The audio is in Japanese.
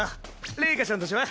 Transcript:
レイカちゃんたちは？